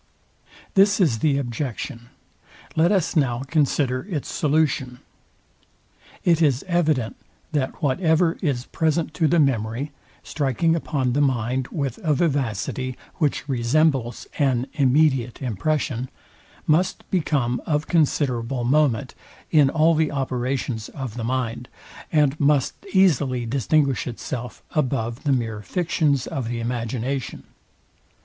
This is the objection; let us now consider its solution. It is evident, that whatever is present to the memory, striking upon the mind with a vivacity, which resembles an immediate impression, must become of considerable moment in all the operations of the mind, and must easily distinguish itself above the mere fictions of the imagination.